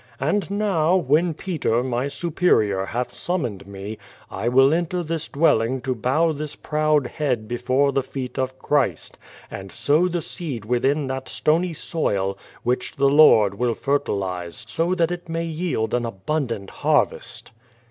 And now, when Peter, my superior, hath summoned me, I will enter this dwelling to bow this proud head before the feet of Christ, and sow the seed within that stony soil, which the Lord will fertilize so that it may yield an abundant harvest."